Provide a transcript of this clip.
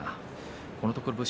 このところ武将